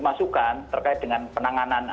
masukan terkait dengan penanganan